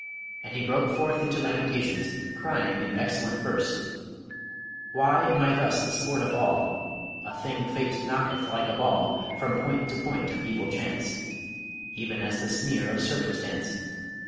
And he broke forth into lamentations, crying in excellent verse: Why am I thus the sport of all A thing Fate knocketh like a ball From point to point of evil chance, Even as the sneer of Circumstance?